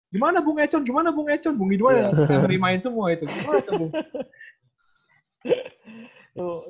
gimana bung econ gimana bung econ bung ido aja serimain semua itu gimana tuh bung